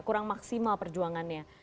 kurang maksimal perjuangannya